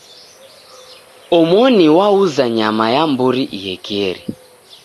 Omoni wauza nyama ya mburi iekeri.